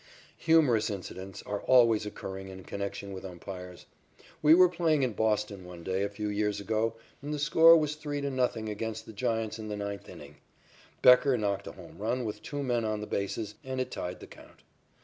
Humorous incidents are always occurring in connection with umpires. We were playing in Boston one day a few years ago, and the score was 3 to 0 against the Giants in the ninth inning. Becker knocked a home run with two men on the bases, and it tied the count.